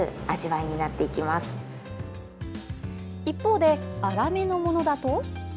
一方で、粗めのものだと？